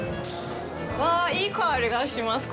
わぁ、いい香りがします。